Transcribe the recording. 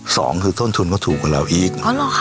สองคือต้นทุนก็ถูกกว่าเราอีก